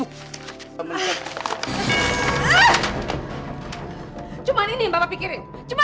aku mau nganterin kamu lah